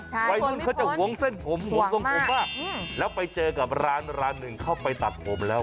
วัยรุ่นเขาจะหวงเส้นผมห่วงทรงผมมากแล้วไปเจอกับร้านร้านหนึ่งเข้าไปตัดผมแล้ว